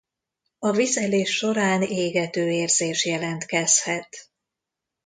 A vizelés során égető érzés jelentkezhet.